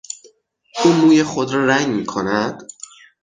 او موی خود را رنگ میکند؟